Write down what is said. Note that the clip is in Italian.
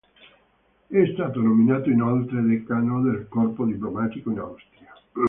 È stato nominato inoltre decano del corpo diplomatico in Austria.